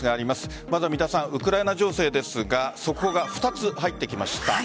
まずはウクライナ情勢ですが速報が２つ入ってきました。